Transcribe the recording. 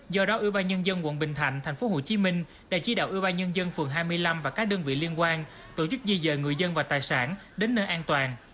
do đó ủy ban nhân dân tp hcm đã chỉ đạo ủy ban nhân dân phường hai mươi năm và các đơn vị liên quan tổ chức di dời người dân và tài sản đến nơi an toàn